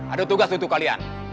ada tugas untuk kalian